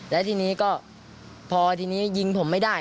แล้วทีนี้ก็พอทีนี้ยิงผมไม่ได้